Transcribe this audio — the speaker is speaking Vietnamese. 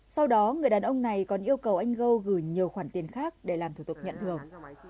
sau đó người đàn ông này còn yêu cầu anh gâu gửi nhiều khoản tiền khác để làm thủ tục nhận thường